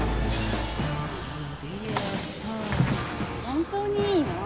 本当にいいの？